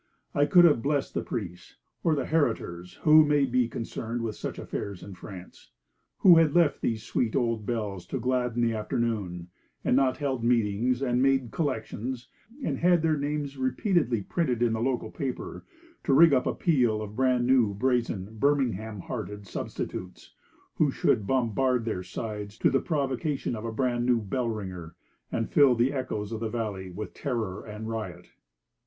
I could have blessed the priest or the heritors, or whoever may be concerned with such affairs in France, who had left these sweet old bells to gladden the afternoon, and not held meetings, and made collections, and had their names repeatedly printed in the local paper, to rig up a peal of brand new, brazen, Birmingham hearted substitutes, who should bombard their sides to the provocation of a brand new bell ringer, and fill the echoes of the valley with terror and riot.